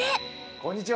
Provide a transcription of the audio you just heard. こんにちは。